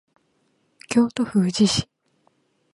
京都府宇治市